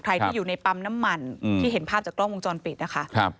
ที่อยู่ในปั๊มน้ำมันที่เห็นภาพจากกล้องวงจรปิดนะคะ